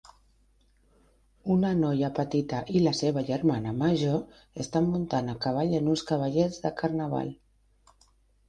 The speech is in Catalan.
Una noia petita i la seva germana major estan muntant a cavall en uns cavallets de carnaval.